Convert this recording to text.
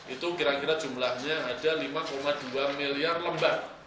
itu kira kira jumlahnya ada lima dua miliar lembah